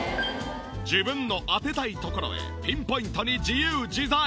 自分の当てたいところへピンポイントに自由自在！